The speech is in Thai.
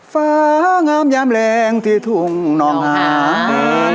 ฟ้างามแย่มแหลงที่ทุ่งนอนผ่าน